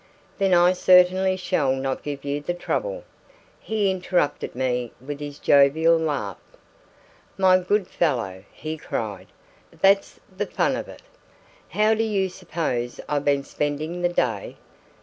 "Then I certainly shall not give you the trouble." He interrupted me with his jovial laugh. "My good fellow," he cried, "that's the fun of it! How do you suppose I've been spending the day?